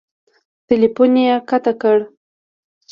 ټیلیفون یې قطع کړ !